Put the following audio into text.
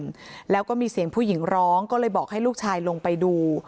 แล้วก็มีเสียงผู้หญิงร้องก็เลยบอกให้ลูกชายลงไปดู